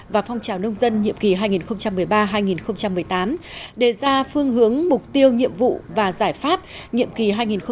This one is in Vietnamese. và phong trào nông dân nhiệm kỳ hai nghìn một mươi ba hai nghìn một mươi tám đề ra phương hướng mục tiêu nhiệm vụ và giải pháp nhiệm kỳ hai nghìn một mươi sáu hai nghìn hai mươi